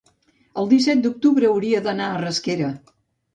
el disset d'octubre hauria d'anar a Rasquera.